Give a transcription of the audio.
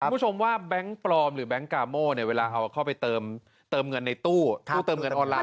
คุณผู้ชมว่าแบงค์ปลอมหรือแบงค์กาโม่เนี่ยเวลาเขาเข้าไปเติมเงินในตู้เติมเงินออนไล